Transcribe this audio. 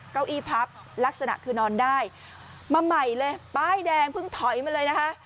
เก้าอี้พับลักษณะคือนอนได้มาใหม่เลยป้ายแดงเพิ่งถอยมาเลยนะคะ